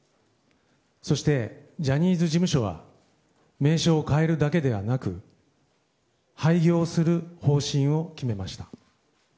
そして、ジャニーズ事務所は名称を変えるだけではなく廃業する方針を決めました。